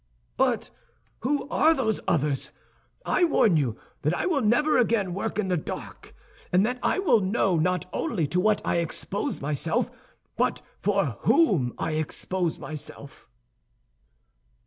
"But who are those others? I warn you that I will never again work in the dark, and that I will know not only to what I expose myself, but for whom I expose myself."